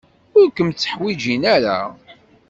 Ur kem-tteḥwijin ara.